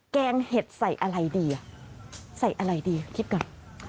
แกงเห็ดใส่อะไรดีอ่ะใส่อะไรดีคิดก่อน